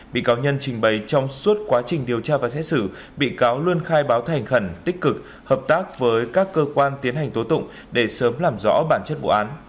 bị cáo nhân trình bày trong suốt quá trình điều tra và xét xử bị cáo luôn khai báo thành khẩn tích cực hợp tác với các cơ quan tiến hành tố tụng để sớm làm rõ bản chất vụ án